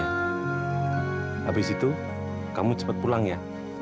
habis itu kamu cepat pulang ya